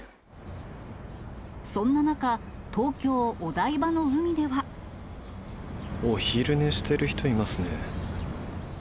そんな中、お昼寝してる人いますね。